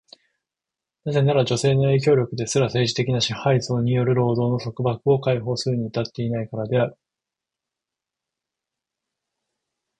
なぜなら、女性の影響力ですら、政治的な支配層による労働の束縛を解放するには至っていないからである。